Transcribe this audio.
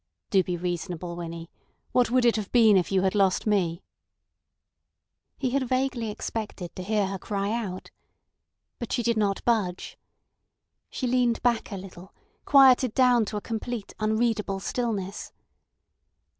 "Do be reasonable, Winnie. What would it have been if you had lost me!" He had vaguely expected to hear her cry out. But she did not budge. She leaned back a little, quieted down to a complete unreadable stillness.